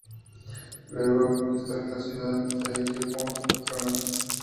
Luego, al conquistar la ciudad, se eligió como su Patrona.